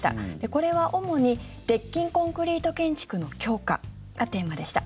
これは主に鉄筋コンクリート建築の強化がテーマでした。